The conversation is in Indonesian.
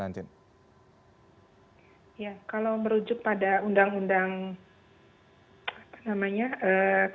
ya kalau merujuk pada undang undang covid sembilan belas